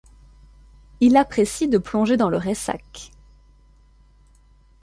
Il apprécie de plonger dans le ressac.